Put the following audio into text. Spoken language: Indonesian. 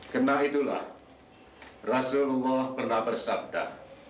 karena itulah rasulullah pernah bersabda